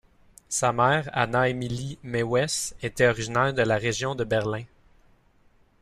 Sa mère, Anna Émilie Mewes, était originaire de la région de Berlin.